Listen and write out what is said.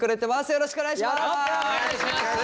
よろしくお願いします。